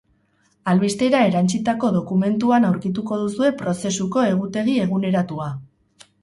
Albistera erantsitako dokumentuan aurkituko duzue prozesuko egutegi eguneratua.